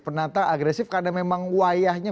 penantang agresif karena memang wayahnya